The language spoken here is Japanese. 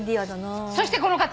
そしてこの方。